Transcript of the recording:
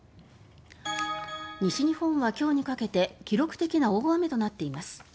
西日本は今日にかけて記録的な大雨となっています。